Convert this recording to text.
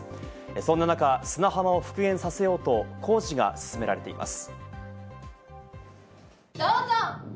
そんな中、砂浜を復元させようと、工事が進められています。